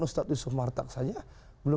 ustadz yusuf martak saja belum